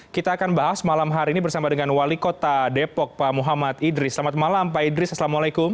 kita akan bahas malam hari ini bersama dengan wali kota depok pak muhammad idris selamat malam pak idris assalamualaikum